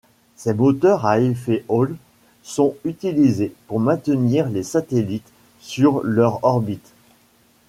Ces moteurs à effet Hall sont utilisés pour maintenir les satellites sur leur orbite.